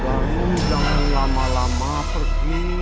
baru jangan lama lama pergi